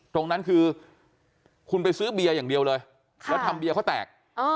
ตรงนั้นคือคุณไปซื้อเบียร์อย่างเดียวเลยแล้วทำเบียร์เขาแตก